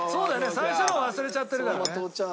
最初の忘れちゃってるからね。